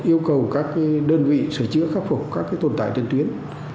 yêu cầu các đơn vị sửa chữa khắc phục các tồn tại trên tuyến